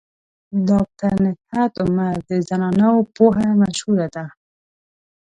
ډاکټر نگهت عمر د زنانو پوهه مشهوره ده.